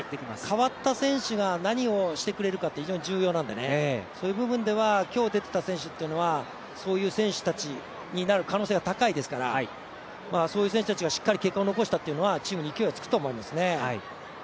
代わった選手が何をしてくれるかって非常に重要なのでそういう部分では、今日出ていた選手っていうのはそういう選手たちになる可能性が高いですからそういう選手たちがしっかり結果を残したというのはチームに勢いがつくと思いますね。